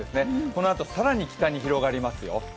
このあと更に北に広がりますよ。